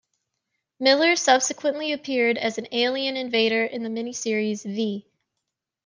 Miller subsequently appeared as an alien invader in the miniseries "V".